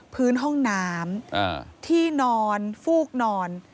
พื้นห้องน้ำที่นอนฟูกนอน